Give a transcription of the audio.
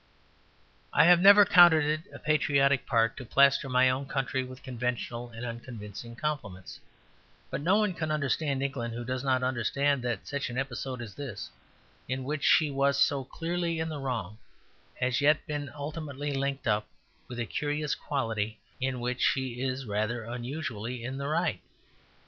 I have never counted it a patriotic part to plaster my own country with conventional and unconvincing compliments; but no one can understand England who does not understand that such an episode as this, in which she was so clearly in the wrong, has yet been ultimately linked up with a curious quality in which she is rather unusually in the right.